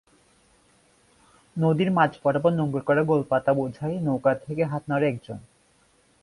নদীর মাঝ বরাবর নোঙর করা গোলপাতাবোঝাই নৌকা থেকে হাত নাড়ে একজন।